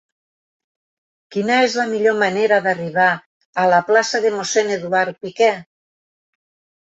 Quina és la millor manera d'arribar a la plaça de Mossèn Eduard Piquer?